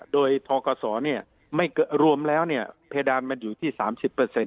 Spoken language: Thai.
โดยทกศเนี่ยไม่เกิดรวมแล้วเนี่ยเพดานมันอยู่ที่สามสิบเปอร์เซ็นต์